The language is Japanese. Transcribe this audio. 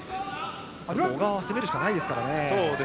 小川は攻めるしかないですからね。